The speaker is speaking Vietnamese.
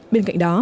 bên cạnh đó